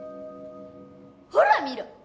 ほら見ろ！